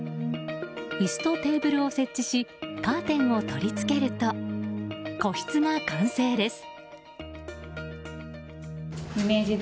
椅子とテーブルを設置しカーテンを取り付けると個室が完成です。